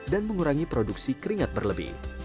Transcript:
dan mengurangi produksi keringat berlebih